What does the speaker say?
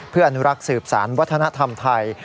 เพื่ออนุรักษ์สืบสารวัฒนธรรมไทย